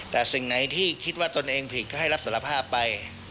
แต่สิ่งไหนที่คิดว่าตนเองผิดก็ให้รับสารภาพไป